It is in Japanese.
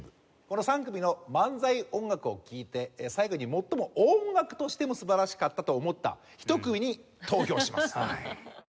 この３組の漫才音楽を聴いて最後に最も音楽としても素晴らしかったと思った１組に投票します。